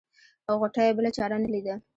غوټۍ بله چاره نه ليده.